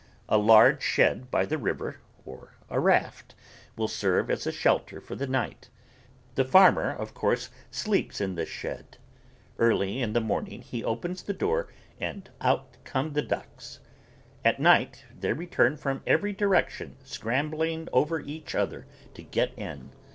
A large shed by the river, or a raft, will serve as a shelter for the night. The farmer of course sleeps in this shed. Early in the morning he opens the door and out come the ducks. At night they return from every direction scrambling over each other to get in.